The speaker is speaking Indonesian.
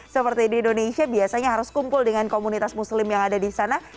seperti di indonesia biasanya harus kumpul dengan komunitas muslim yang ada di sana